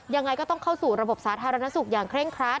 ยังไงก็ต้องเข้าสู่ระบบสาธารณสุขอย่างเคร่งครัด